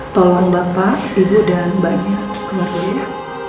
tolong bapak ibu dan mbaknya kemarin ya